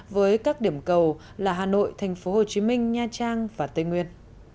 với các điểm cầu là hà nội tp hcm nha trang và tây nguyên